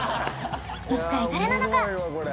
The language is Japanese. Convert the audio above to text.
一体誰なのか？